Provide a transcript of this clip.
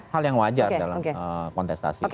hal yang wajar dalam kontestasi